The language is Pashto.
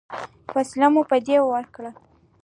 فیصله مو په دې وکړه.